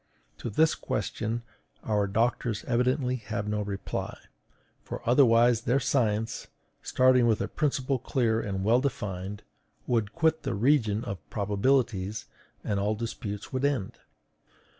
To this question our doctors evidently have no reply; for otherwise their science, starting with a principle clear and well defined, would quit the region of probabilities, and all disputes would end.